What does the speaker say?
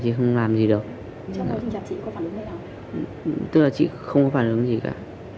tức là chị không có phản ứng gì cả